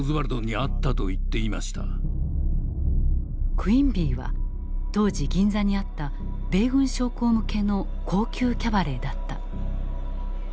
クイーンビーは当時銀座にあった米軍将校向けの高級キャバレーだった。